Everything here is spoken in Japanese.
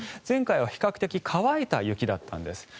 前回は比較的乾いた雪だったんです。